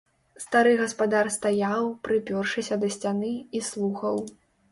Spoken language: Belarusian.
Стары гаспадар стаяў, прыпёршыся да сцяны, і слухаў.